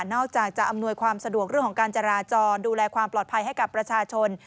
อกจากจะอำนวยความสะดวกเรื่องของการจราจรดูแลความปลอดภัยให้กับประชาชน